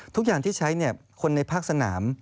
ทุกอย่างที่ใช้คนในภาคสนาม